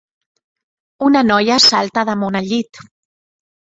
Una noia salta damunt el llit.